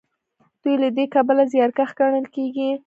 دوی له دې کبله زیارکښ ګڼل کیږي.